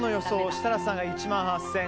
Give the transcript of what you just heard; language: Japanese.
設楽さんが１万８５００円。